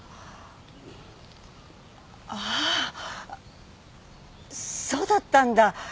ああそうだったんだ。